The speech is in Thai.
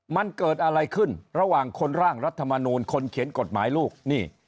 มันเกิดอะไรขึ้นระหว่างคนร่างรัฐมนูลคนเขียนกฎหมายลูกนี่